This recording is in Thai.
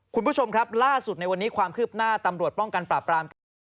คุณผู้ชมครับล่าสุดในวันนี้ความคืบหน้าตำรวจป้องกันปราบรามยาเสพติด